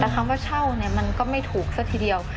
แต่คำว่าเช่ามันก็ไม่ถูกซะทีเดียว